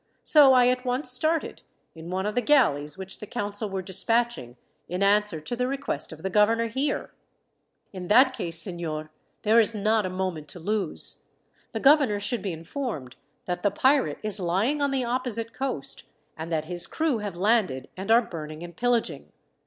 So I at once started, in one of the galleys which the council were despatching in answer to the request of the governor here." "In that case, signor, there is not a moment to lose. The governor should be informed that the pirate is lying on the opposite coast, and that his crew have landed, and are burning and pillaging.